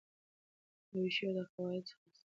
نوی شعر د قواعدو څخه آزاده دی.